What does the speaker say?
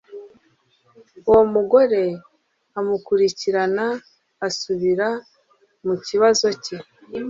uwo mugore amukurikirana asubira mu kibazo cye.